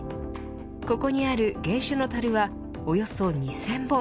ここにある原酒のたるはおよそ２０００本。